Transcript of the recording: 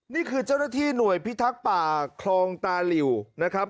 นี่คือเจ้าหน้าที่หน่วยพิทักษ์ป่าคลองตาหลิวนะครับ